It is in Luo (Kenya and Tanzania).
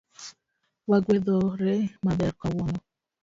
Wagwedhore maber kawuono